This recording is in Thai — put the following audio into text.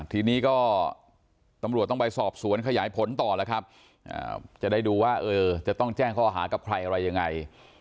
ทีนี้ก็ตำรวจต้องไปสอบสวนขยายผลต่อแล้วครับจะได้ดูว่าจะต้องแจ้งข้อหากับใครอะไรยังไง